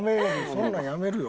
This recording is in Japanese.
そんなんやめるよ。